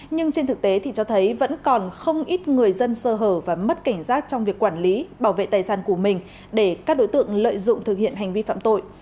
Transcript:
nhưng trên thực tế thì cho thấy vẫn còn không ít người dân sơ hở và mất cảnh giác trong việc quản lý bảo vệ tài sản của mình để các đối tượng lợi dụng thực hiện hành vi phạm tội